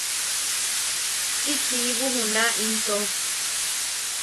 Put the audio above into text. ¡Si chiibu junaʼa into!